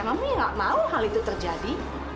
mami gak mau hal itu terjadi